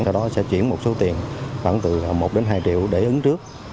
sau đó sẽ chuyển một số tiền khoảng từ một đến hai triệu để ứng trước